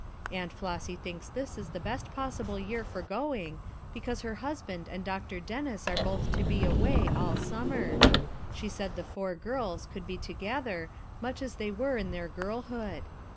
Aunt Flossy thinks this is the best possible year for going, because her hus band and Dr. Dennis are both to be away all summer; she said the four girls could he to gether, much as they were in their girlhood.